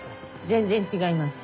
全然違います。